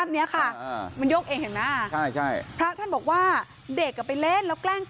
นี่ค่ะมันโยกเองทางหน้าพระท่านบอกว่าเด็กกับไปเล่นแล้วแกล้งกัน